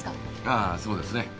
ああそうですね。